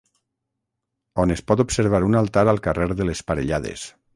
On es pot observar un altar al carrer de les Parellades.